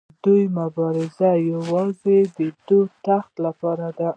د دوی مبارزه یوازې د تخت لپاره ده.